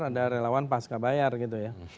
ada relawan pascabayar gitu ya